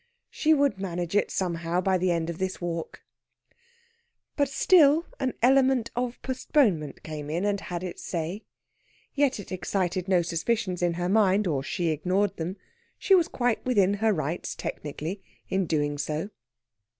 She would manage it somehow by the end of this walk. But still an element of postponement came in, and had its say. Yet it excited no suspicions in her mind, or she ignored them. She was quite within her rights, technically, in doing so.